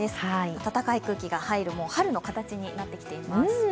暖かい空気が入る春の形になってきています。